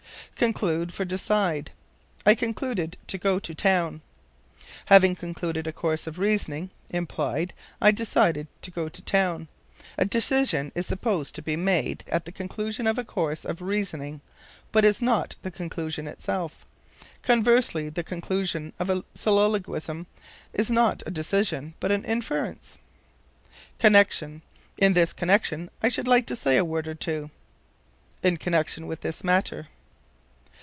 Conclude for Decide. "I concluded to go to town." Having concluded a course of reasoning (implied) I decided to go to town. A decision is supposed to be made at the conclusion of a course of reasoning, but is not the conclusion itself. Conversely, the conclusion of a syllogism is not a decision, but an inference. Connection. "In this connection I should like to say a word or two." In connection with this matter.